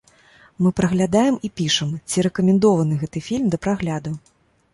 Мы праглядаем і пішам, ці рэкамендованы гэты фільм да прагляду.